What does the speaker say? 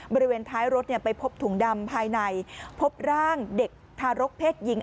บริเวณท้ายรถไปพบถุงดำภายในพบร่างเด็กทารกเพศหญิง